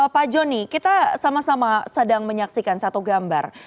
pak joni kita sama sama sedang menyaksikan satu gambar